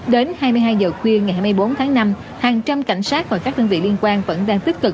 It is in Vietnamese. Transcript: đến hai mươi hai giờ khuya ngày hai mươi bốn tháng năm hàng trăm cảnh sát và các đơn vị liên quan vẫn đang tích cực